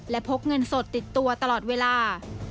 และพกเงินสดติดตัวตลอดเวลา